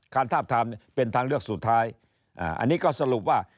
ทาบทามเป็นทางเลือกสุดท้ายอันนี้ก็สรุปว่า